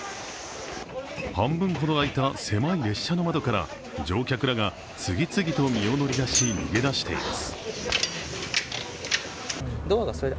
半分ほど開いた狭い列車の窓から乗客らが次々と身を乗り出し、逃げ出しています。